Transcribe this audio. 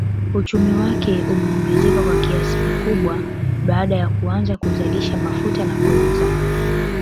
Uchumi wake umeongezeka kwa kiasi kikubwa baada ya kuanza kuzalisha mafuta na kuuza